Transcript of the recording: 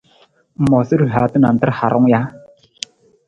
Ng moosa rihaata nantar harung ja?